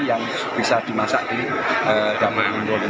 yang bisa dimasak di dapur umum manduri